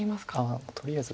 ああとりあえず。